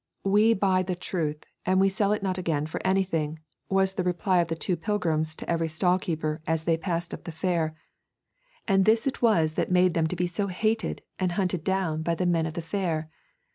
'We buy the truth and we sell it not again for anything,' was the reply of the two pilgrims to every stall keeper as they passed up the fair, and this it was that made them to be so hated and hunted down by the men of the fair.